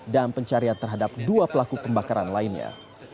dan pencarian terhadap dua pelaku pembakaran lainnya